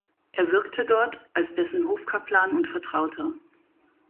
Er wirkte dort als dessen Hofkaplan und Vertrauter.